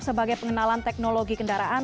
sebagai pengenalan teknologi kendaraan